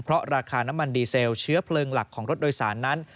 เพราะราคาน้ำมันดีเซลเชื้อเพลิงหลักของรถโดยสารนั้น